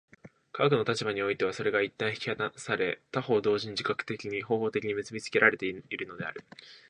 科学の立場においてはそれが一旦引き離され、他方同時に自覚的に、方法的に結び付けられるのである。